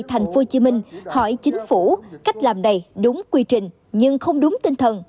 tp hcm hỏi chính phủ cách làm này đúng quy trình nhưng không đúng tinh thần